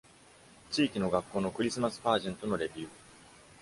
地域の学校のクリスマスパージェントのレビュー。